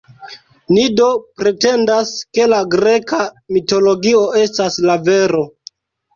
Ni do pretendas, ke la greka mitologio estas la vero.